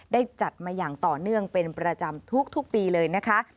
ได้จัดมาอย่างต่อเนื่องเป็นประจำทุกปีเลยนะคะ